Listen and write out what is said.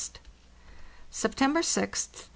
September 6th...